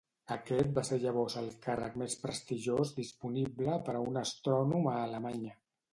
Aquest va ser llavors el càrrec més prestigiós disponible per a un astrònom a Alemanya.